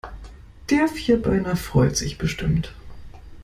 Der Vierbeiner freut sich bestimmt.